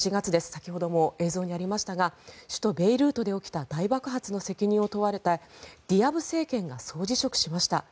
先ほども映像にありましたが首都ベイルートで起きました大爆発の責任を問われたディアブ政権が総辞職しました。